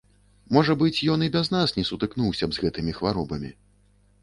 Можа быць, ён і без нас не сутыкнуўся б з гэтымі хваробамі.